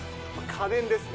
家電ですね。